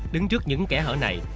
đứng trước những kẻ hở này